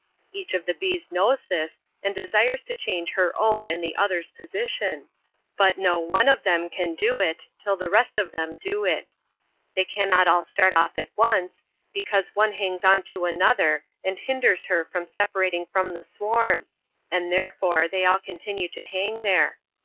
Each of the bees knows this, and desires to change her own and the others' position, but no one of them can do it till the rest of them do it. They cannot all start off at once, because one hangs on to another and hinders her from separating from the swarm, and therefore they all continue to hang there.